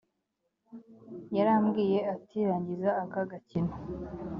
yarambwiye ati rangiza aka gakino